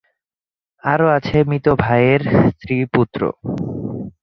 আরো আছে মৃত ভাইয়ের স্ত্রী-পুত্র।